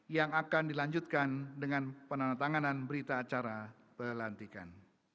yang akan dilanjutkan dengan penandatanganan berita acara pelantikan